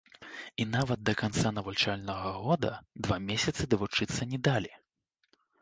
І нават да канца навучальнага года два месяцы давучыцца не далі!